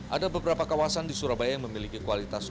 ada beberapa kawasan di surabaya yang memiliki kualitas